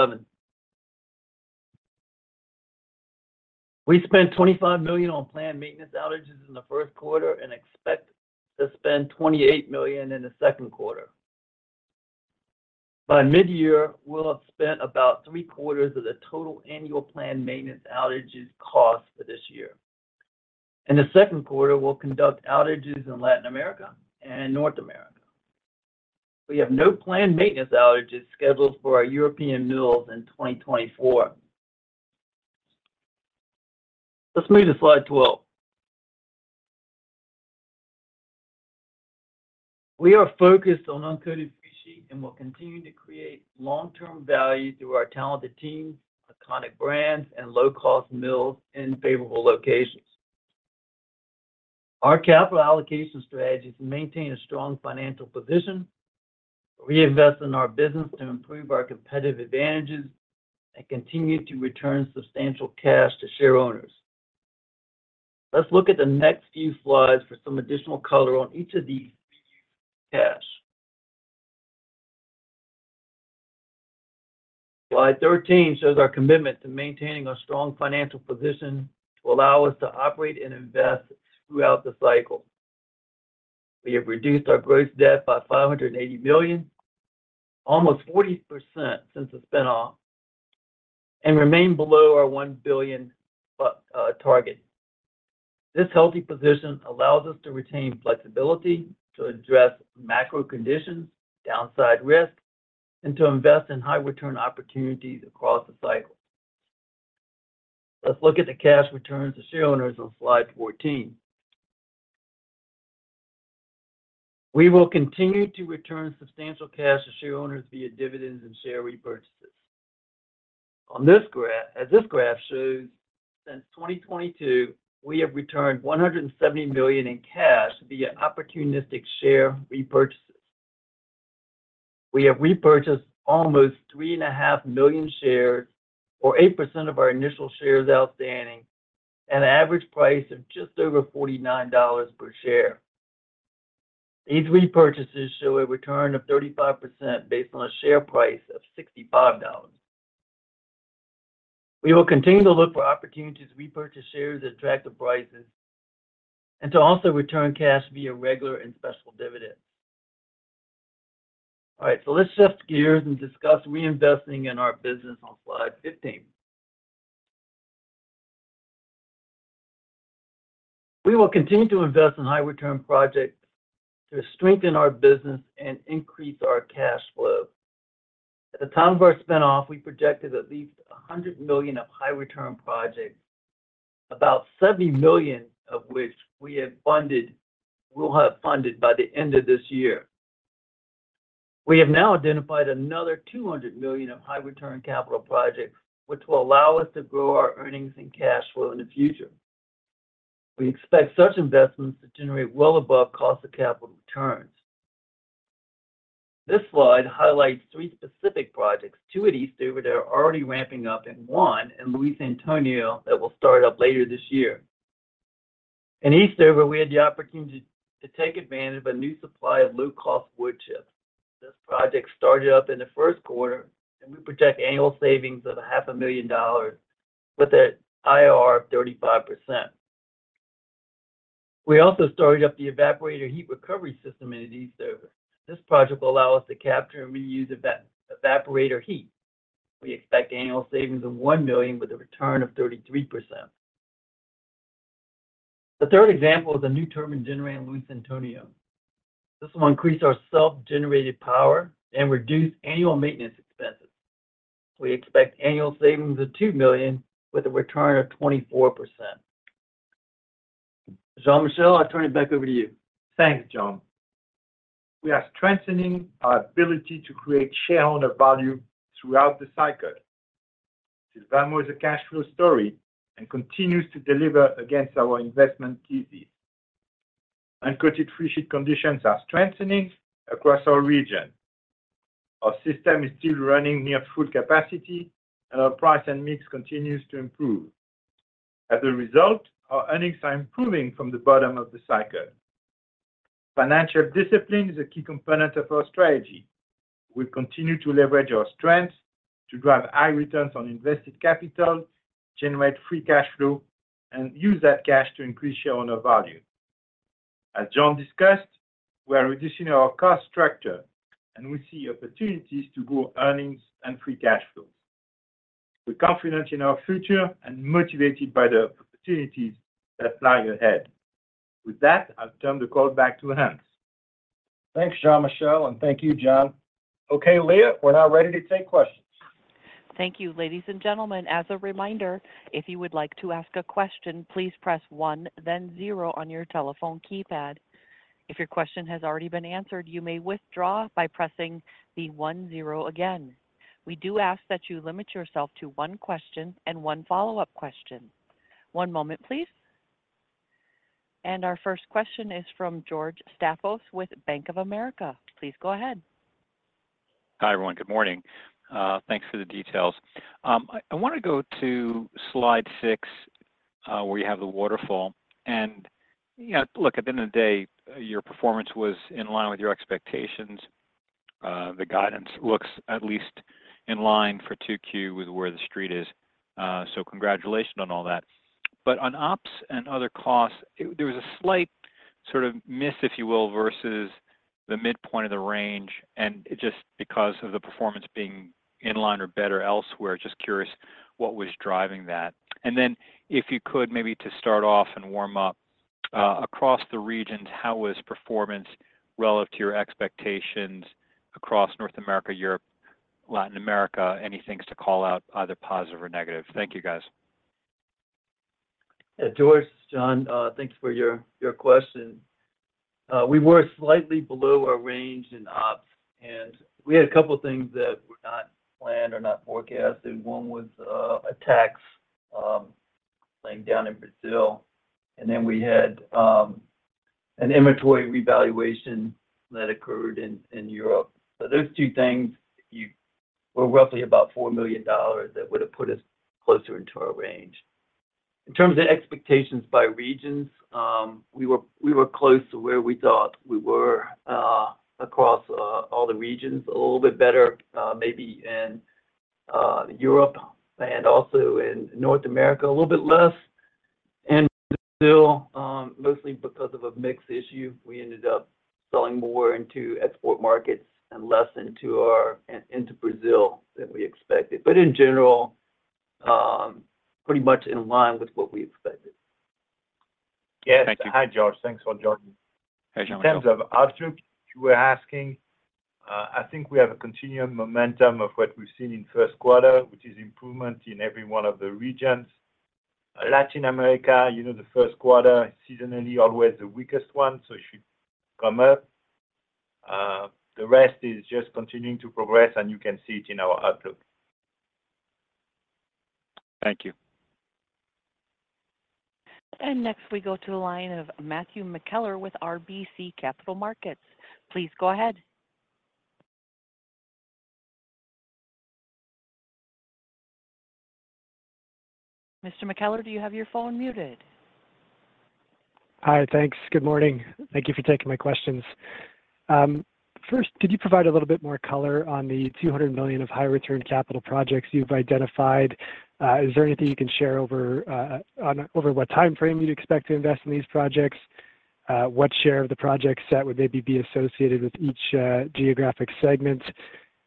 Seven. We spent $25 million on planned maintenance outages in the first quarter, and expect to spend $28 million in the second quarter. By mid-year, we'll have spent about three quarters of the total annual planned maintenance outages cost for this year. In the second quarter, we'll conduct outages in Latin America and North America. We have no planned maintenance outages scheduled for our European mills in 2024. Let's move to slide 12. We are focused on uncoated freesheet, and we're continuing to create long-term value through our talented team, iconic brands, and low-cost mills in favorable locations. Our capital allocation strategies maintain a strong financial position, reinvest in our business to improve our competitive advantages, and continue to return substantial cash to shareowners. Let's look at the next few slides for some additional color on each of these key tasks. Slide 13 shows our commitment to maintaining a strong financial position to allow us to operate and invest throughout the cycle. We have reduced our gross debt by $580 million, almost 40% since the spin-off, and remain below our $1 billion target. This healthy position allows us to retain flexibility to address macro conditions, downside risks, and to invest in high return opportunities across the cycle. Let's look at the cash returns to shareowners on slide 14. We will continue to return substantial cash to shareowners via dividends and share repurchases. On this graph, as this graph shows, since 2022, we have returned $170 million in cash via opportunistic share repurchases. We have repurchased almost $3.5 million shares, or 8% of our initial shares outstanding, at an average price of just over $49 per share. These repurchases show a return of 35% based on a share price of $65. We will continue to look for opportunities to repurchase shares at attractive prices, and to also return cash via regular and special dividends. All right, so let's shift gears and discuss reinvesting in our business on slide 15. We will continue to invest in high return projects to strengthen our business and increase our cash flow. At the time of our spin-off, we projected at least $100 million of high return projects, about $70 million of which we have funded—we'll have funded by the end of this year. We have now identified another $200 million of high return capital projects, which will allow us to grow our earnings and cash flow in the future. We expect such investments to generate well above cost of capital returns. This slide highlights three specific projects, two at Eastover that are already ramping up, and one in Luiz Antônio that will start up later this year. In Eastover, we had the opportunity to take advantage of a new supply of low-cost wood chips. This project started up in the first quarter, and we project annual savings of $500,000 with an IRR of 35%. We also started up the evaporator heat recovery system in Eastover. This project will allow us to capture and reuse evaporator heat. We expect annual savings of $1 million with a return of 33%. The third example is a new turbine generator in Luiz Antônio. This will increase our self-generated power and reduce annual maintenance expenses. We expect annual savings of $2 million with a return of 24%. Jean-Michel, I'll turn it back over to you. Thanks, John. We are strengthening our ability to create shareowner value throughout the cycle. Sylvamo is a cash flow story and continues to deliver against our investment thesis. Uncoated freesheet conditions are strengthening across our region. Our system is still running near full capacity, and our price and mix continues to improve. As a result, our earnings are improving from the bottom of the cycle. Financial discipline is a key component of our strategy. We continue to leverage our strengths to drive high returns on invested capital, generate free cash flow, and use that cash to increase shareowner value. As John discussed, we are reducing our cost structure, and we see opportunities to grow earnings and free cash flows. We're confident in our future and motivated by the opportunities that lie ahead. With that, I'll turn the call back to Hans. Thanks, Jean-Michel, and thank you, John. Okay, Leah, we're now ready to take questions. Thank you, ladies and gentlemen. As a reminder, if you would like to ask a question, please press one, then zero on your telephone keypad. If your question has already been answered, you may withdraw by pressing the one, zero again. We do ask that you limit yourself to one question and one follow-up question. One moment, please. Our first question is from George Staphos with Bank of America. Please go ahead. Hi, everyone. Good morning. Thanks for the details. I wanna go to slide six, where you have the waterfall. And, you know, look, at the end of the day, your performance was in line with your expectations. The guidance looks at least in line for 2Q with where the street is. So congratulations on all that. But on ops and other costs, there was a slight sort of miss, if you will, versus the midpoint of the range, and just because of the performance being in line or better elsewhere, just curious what was driving that? And then if you could, maybe to start off and warm up, across the regions, how was performance relative to your expectations across North America, Europe, Latin America? Any things to call out, either positive or negative? Thank you, guys. Yeah, George, John, thanks for your question. We were slightly below our range in ops, and we had a couple of things that were not planned or not forecasted. One was a tax payment down in Brazil, and then we had an inventory revaluation that occurred in Europe. So those two things were roughly about $4 million that would have put us closer into our range. In terms of expectations by regions, we were close to where we thought we were across all the regions, a little bit better maybe in Europe and also in North America, a little bit less. And still, mostly because of a mix issue, we ended up selling more into export markets and less into Brazil than we expected. But in general, pretty much in line with what we expected. Thank you. Yes. Hi, George. Thanks for joining. Hey, Jean-Michel. In terms of outlook, you were asking, I think we have a continuing momentum of what we've seen in first quarter, which is improvement in every one of the regions. Latin America, you know, the first quarter, seasonally, always the weakest one, so it should come up. The rest is just continuing to progress, and you can see it in our outlook. Thank you. Next, we go to the line of Matthew McKellar with RBC Capital Markets. Please go ahead. Mr. McKellar, do you have your phone muted? Hi, thanks. Good morning. Thank you for taking my questions. First, could you provide a little bit more color on the $200 million of high return capital projects you've identified? Is there anything you can share on what time frame you expect to invest in these projects? What share of the project set would maybe be associated with each geographic segment?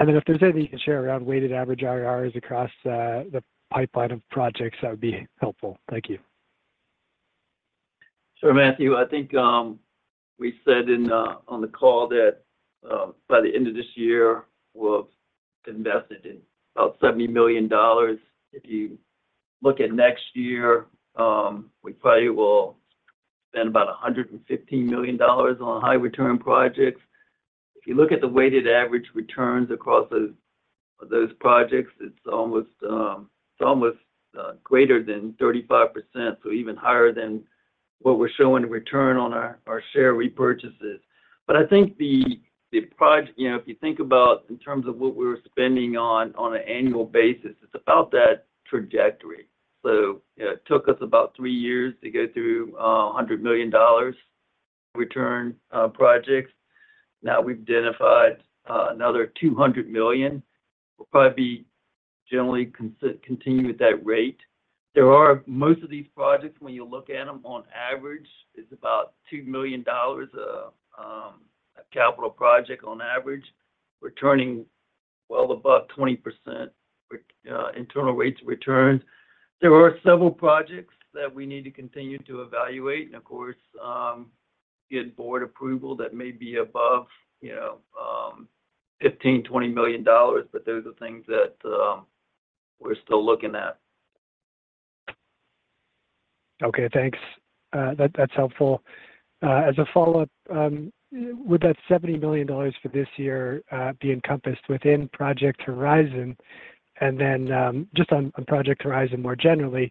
And then if there's anything you can share around weighted average IRRs across the pipeline of projects, that would be helpful. Thank you. Sure, Matthew, I think, we said on the call that, by the end of this year, we'll have invested in about $70 million. If you look at next year, we probably will spend about $150 million on high return projects. If you look at the weighted average returns across those, those projects, it's almost greater than 35%, so even higher than what we're showing in return on our share repurchases. But I think the project, you know, if you think about in terms of what we're spending on an annual basis, it's about that trajectory. So it took us about three years to go through $100 million return projects. Now, we've identified another $200 million. We'll probably be generally continue with that rate. There are most of these projects, when you look at them on average, is about $2 million of a capital project on average, returning well above 20% with internal rates of return. There are several projects that we need to continue to evaluate, and of course, get board approval that may be above, you know, $15 million-$20 million, but those are things that we're still looking at. Okay, thanks. That, that's helpful. As a follow-up, would that $70 million for this year be encompassed within Project Horizon? And then, just on Project Horizon, more generally,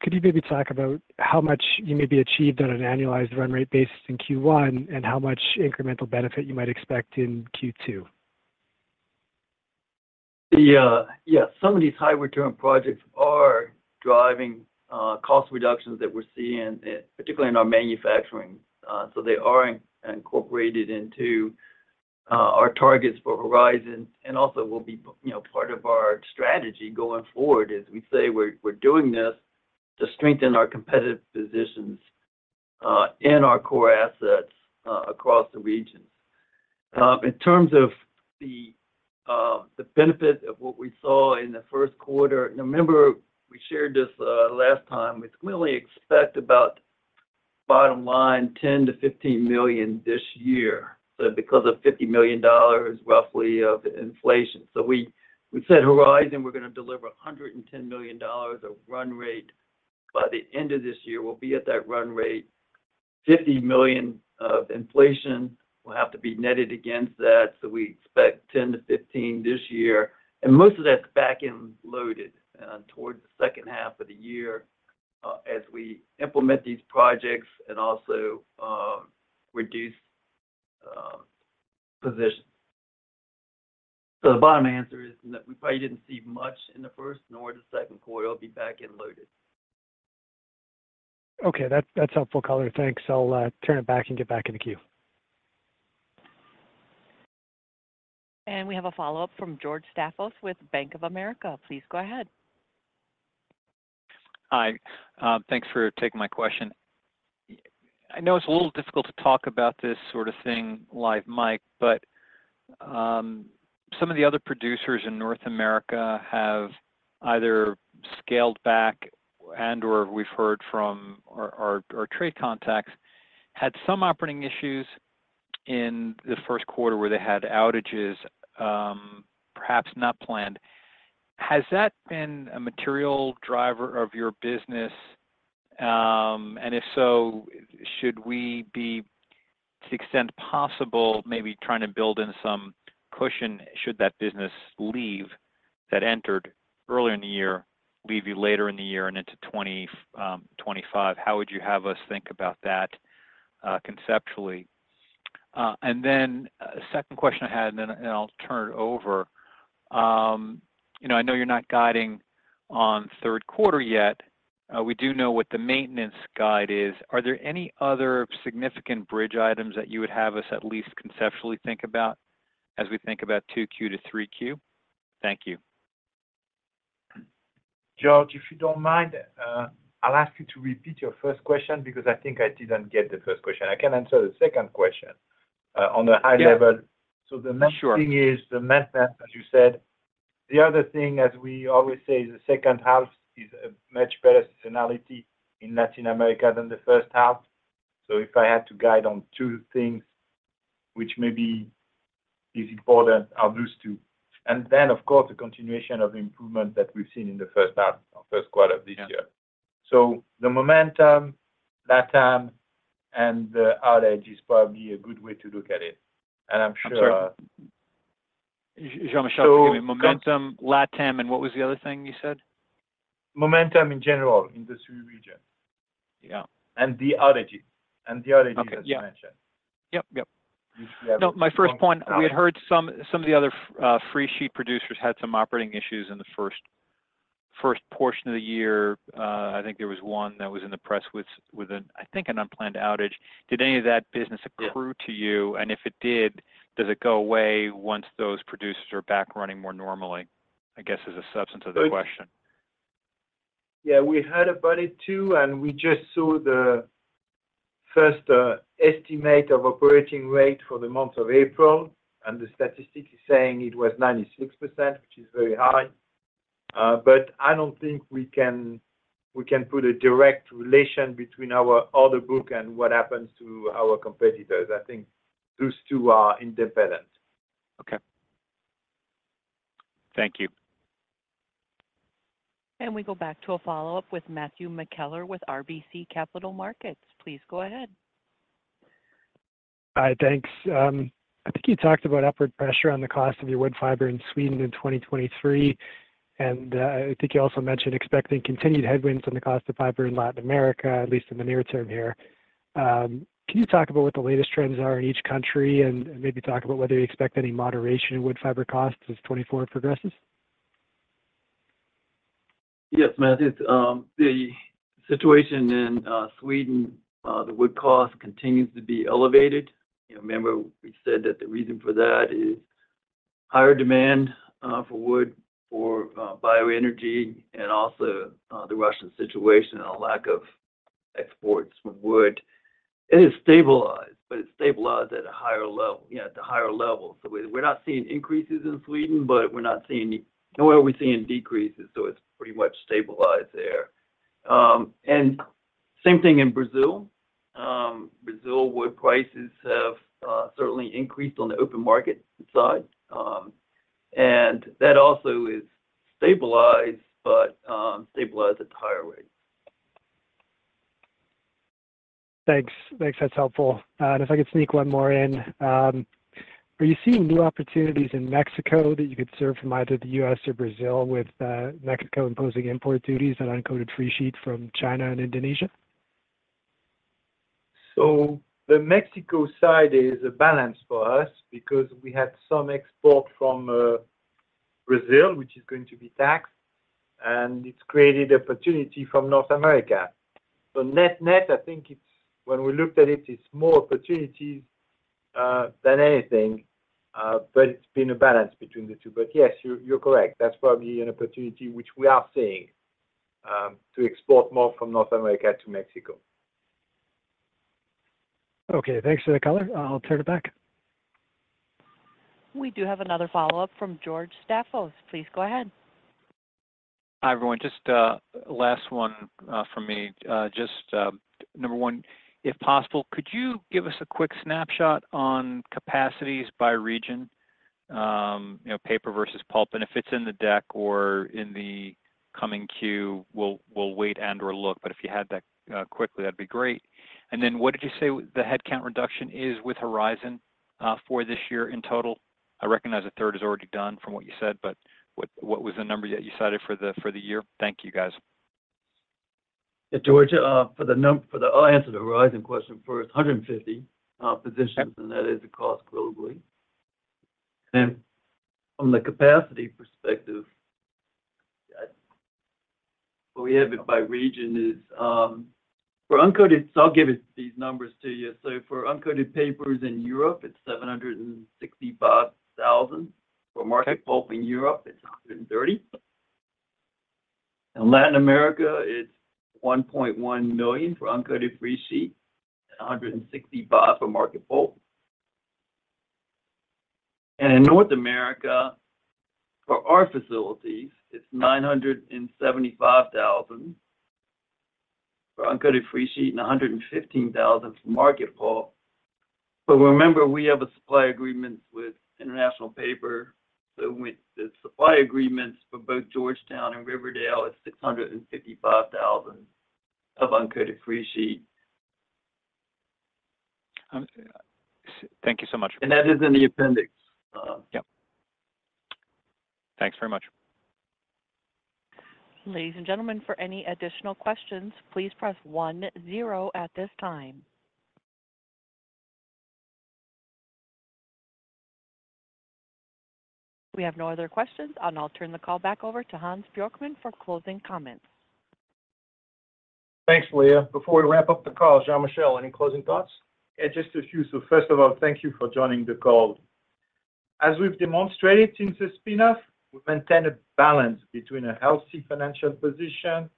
could you maybe talk about how much you maybe achieved on an annualized run rate basis in Q1, and how much incremental benefit you might expect in Q2? Yes, some of these high return projects are driving cost reductions that we're seeing, particularly in our manufacturing. So they are incorporated into our targets for Horizon and also will be, you know, part of our strategy going forward. As we say, we're doing this to strengthen our competitive positions in our core assets across the region. In terms of the benefit of what we saw in the first quarter, now, remember, we shared this last time. We clearly expect about bottom line, $10 million-15 million this year, so because of $50 million, roughly, of inflation. So we said Horizon, we're going to deliver $110 million of run rate. By the end of this year, we'll be at that run rate. $50 million of inflation will have to be netted against that, so we expect $10 million-$15 million this year, and most of that's back and loaded towards the second half of the year as we implement these projects and also reduce position. So the bottom answer is that we probably didn't see much in the first nor the second quarter. It'll be back and loaded. Okay, that's, that's helpful, color. Thanks. I'll turn it back and get back in the queue. We have a follow-up from George Staphos with Bank of America. Please go ahead. Hi, thanks for taking my question. I know it's a little difficult to talk about this sort of thing live, Mike, but some of the other producers in North America have either scaled back and/or we've heard from our trade contacts had some operating issues in the first quarter where they had outages, perhaps not planned. Has that been a material driver of your business? And if so, should we be, to the extent possible, maybe trying to build in some cushion, should that business leave, that entered earlier in the year, leave you later in the year and into 2025? How would you have us think about that, conceptually? And then a second question I had, and I'll turn it over. You know, I know you're not guiding on third quarter yet. We do know what the maintenance guide is. Are there any other significant bridge items that you would have us at least conceptually think about as we think about 2Q to 3Q? Thank you. George, if you don't mind, I'll ask you to repeat your first question because I think I didn't get the first question. I can answer the second question, on a high level. Yeah. Sure. So the main thing is the method, as you said. The other thing, as we always say, is the second half is a much better seasonality in Latin America than the first half. So if I had to guide on two things, which may be is important, are those two. And then, of course, the continuation of improvement that we've seen in the first half or first quarter of this year. Yeah. So the momentum, Latam, and the outage is probably a good way to look at it. And I'm sure- Sure. Jean-Michel, give me momentum, LatAm, and what was the other thing you said? Momentum in general, in the three regions. Yeah. And the outage, as you mentioned. Yep. Yep. This we have- No, my first point, we had heard some of the other freesheet producers had some operating issues in the first portion of the year. I think there was one that was in the press with, I think, an unplanned outage. Did any of that business- Yeah... accrue to you? And if it did, does it go away once those producers are back running more normally? I guess, is the substance of the question. Yeah, we heard about it too, and we just saw the first estimate of operating rate for the month of April, and the statistic is saying it was 96%, which is very high. But I don't think we can put a direct relation between our order book and what happens to our competitors. I think those two are independent. Okay. Thank you. We go back to a follow-up with Matthew McKellar with RBC Capital Markets. Please go ahead. Hi, thanks. I think you talked about upward pressure on the cost of your wood fiber in Sweden in 2023, and I think you also mentioned expecting continued headwinds on the cost of fiber in Latin America, at least in the near term here. Can you talk about what the latest trends are in each country, and maybe talk about whether you expect any moderation in wood fiber costs as 2024 progresses? Yes, Matthew. The situation in Sweden, the wood cost continues to be elevated. You remember we said that the reason for that is higher demand for wood for bioenergy, and also the Russian situation and a lack of exports from wood. It is stabilized, but it's stabilized at a higher level, you know, at a higher level. So we, we're not seeing increases in Sweden, but we're not seeing... nowhere we're seeing decreases, so it's pretty much stabilized there. And same thing in Brazil. Brazil, wood prices have certainly increased on the open market side, and that also is stabilized, but stabilized at a higher rate. Thanks. Thanks. That's helpful. And if I could sneak one more in, are you seeing new opportunities in Mexico that you could serve from either the U.S. or Brazil, with Mexico imposing import duties on uncoated freesheet from China and Indonesia? So the Mexico side is a balance for us because we had some export from, Brazil, which is going to be taxed, and it's created opportunity from North America. So net-net, I think it's, when we looked at it, it's more opportunities, than anything, but it's been a balance between the two. But yes, you, you're correct. That's probably an opportunity which we are seeing, to export more from North America to Mexico. Okay, thanks for the color. I'll turn it back. We do have another follow-up from George Staphos. Please go ahead. Hi, everyone. Just, last one, from me. Just, number one, if possible, could you give us a quick snapshot on capacities by region, you know, paper versus pulp? And if it's in the deck or in the coming Q, we'll, we'll wait and/or look. But if you had that, quickly, that'd be great. And then what did you say the headcount reduction is with Horizon, for this year in total? I recognize a third is already done from what you said, but what, what was the number that you cited for the, for the year? Thank you, guys. ... Yeah, George, for the, I'll answer the Horizon question first. 150 positions, and that is across globally. And from the capacity perspective, what we have it by region is, for uncoated. So I'll give it, these numbers to you. So for uncoated papers in Europe, it's 765,000. For Market Pulp in Europe, it's 130. In Latin America, it's $1.1 million for uncoated freesheet and $165 for Market Pulp. And in North America, for our facilities, it's $975,000 for uncoated free sheet and $115,000 for Market Pulp. But remember, we have a supply agreement with International Paper, so the supply agreements for both Georgetown and Riverdale is $655,000 of uncoated free sheet. Thank you so much. That is in the appendix. Yep. Thanks very much. Ladies and gentlemen, for any additional questions, please press 10 at this time. We have no other questions, and I'll turn the call back over to Hans Bjorkman for closing comments. Thanks, Leah. Before we wrap up the call, Jean-Michel, any closing thoughts? Yeah, just a few. So first of all, thank you for joining the call. As we've demonstrated since the spin-off, we've maintained a balance between a healthy financial position,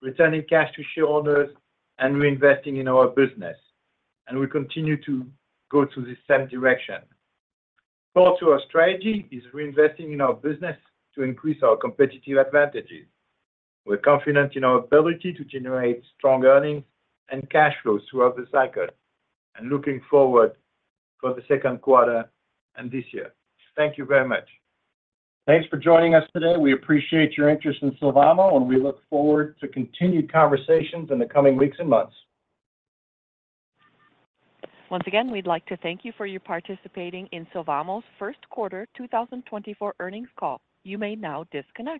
returning cash to shareholders, and reinvesting in our business, and we continue to go to the same direction. Core to our strategy is reinvesting in our business to increase our competitive advantages. We're confident in our ability to generate strong earnings and cash flows throughout the cycle, and looking forward for the second quarter and this year. Thank you very much. Thanks for joining us today. We appreciate your interest in Sylvamo, and we look forward to continued conversations in the coming weeks and months. Once again, we'd like to thank you for your participating in Sylvamo's first quarter 2024 earnings call. You may now disconnect.